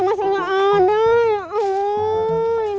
woi tungguin dong